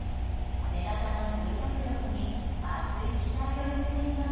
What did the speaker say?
メダカの集客力に熱い期待を寄せています。